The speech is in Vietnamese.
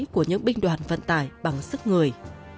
của những binh đoàn vận tải bằng sức người